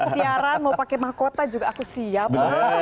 siaran mau pakai mahkota juga aku siap